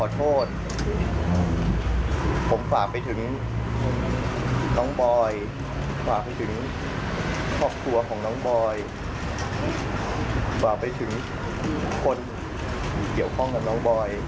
ที่รบกวนหลายครั้ง